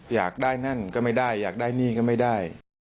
อยากได้นั่นก็ไม่ได้อยากได้หนี้ก็ไม่ได้